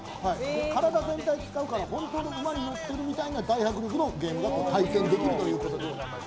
体全体を使うから本当に馬に乗っているみたいな大迫力のゲームが体験できるということです。